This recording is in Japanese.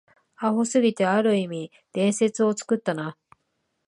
アホすぎて、ある意味伝説を作ったな